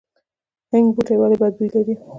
هنګ بوټی ولې بد بوی لري؟